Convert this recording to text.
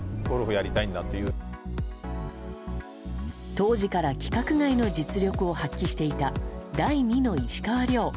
当時から規格外の実力を発揮していた第二の石川遼。